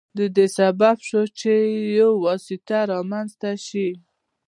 د دې سبب شو چې یو واسطه رامنځته شي.